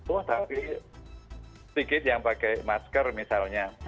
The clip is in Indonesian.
wah tapi sedikit yang pakai masker misalnya